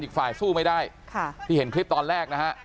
อีกฝ่ายสู้ไม่ได้ค่ะที่เห็นคลิปตอนแรกนะฮะ